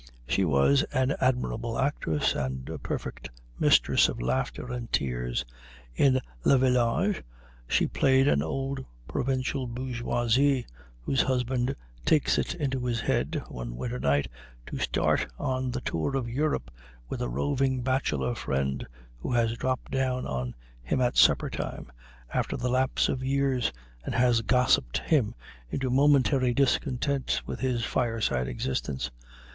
She was an admirable actress and a perfect mistress of laughter and tears. In "Le Village" she played an old provincial bourgeoise whose husband takes it into his head, one winter night, to start on the tour of Europe with a roving bachelor friend, who has dropped down on him at supper time, after the lapse of years, and has gossiped him into momentary discontent with his fireside existence.